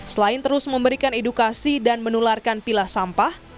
selain terus memberikan edukasi dan menularkan pilah sampah